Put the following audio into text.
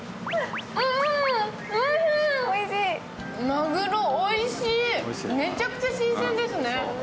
マグロ、おいしい、めちゃくちゃ新鮮ですね。